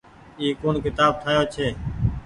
اي ڪوڻ ڪيتآب ٺآيو ڇي